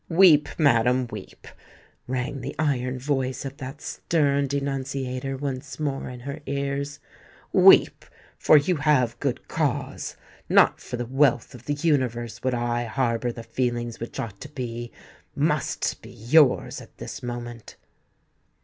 "Weep, madam, weep," rang the iron voice of that stern denunciator once more in her ears: "weep—for you have good cause! Not for the wealth of the universe would I harbour the feelings which ought to be—must be yours at this moment."